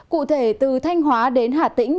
cụ thể từ thanh hóa đến hà tĩnh